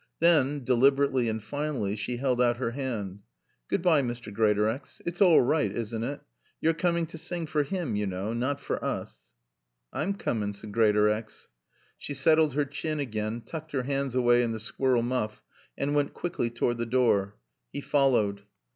Then, deliberately and finally, she held out her hand. "Good bye, Mr. Greatorex. It's all right, isn't it? You're coming to sing for him, you know, not for us." "I'm coomin'," said Greatorex. She settled her chin again, tucked her hands away in the squirrel muff and went quickly toward the door. He followed.